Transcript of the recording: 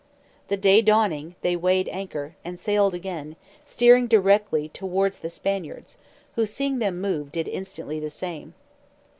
The day dawning, they weighed anchor, and sailed again, steering directly towards the Spaniards; who seeing them move, did instantly the same.